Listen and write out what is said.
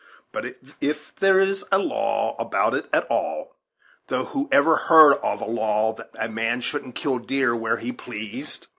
"But if there's a law about it at all, though who ever heard of a law that a man shouldn't kill deer where he pleased!